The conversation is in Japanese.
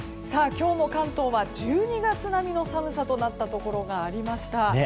今日も関東は１２月並みの寒さとなったところがありました。